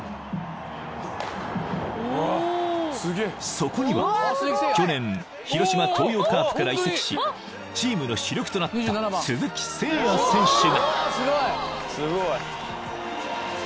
［そこには去年広島東洋カープから移籍しチームの主力となった鈴木誠也選手が］